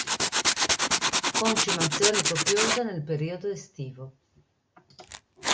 Concimazioni copiose nel periodo estivo.